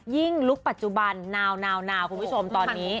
ลุคปัจจุบันนาวคุณผู้ชมตอนนี้